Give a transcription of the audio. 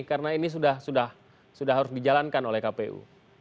karena ini sudah harus dijalankan oleh kpu